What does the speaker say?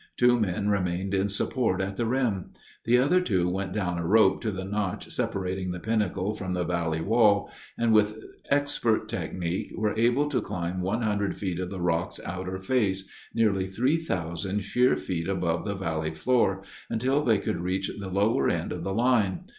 Two men remained in support at the rim. The other two went down a rope to the notch separating the pinnacle from the valley wall, and with expert technique were able to climb 100 feet of the rock's outer face, nearly 3,000 sheer feet above the valley floor, until they could reach the lower end of the line.